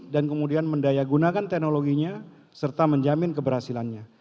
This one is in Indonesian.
dan kemudian mendayagunakan teknologinya serta menjamin keberhasilannya